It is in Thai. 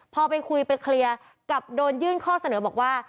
พอไปคุยไปเคลียร์กับโดนยื่นข้อเสนอบอกว่า